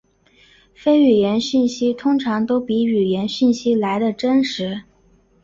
非语言讯息通常都比语言讯息来得真实。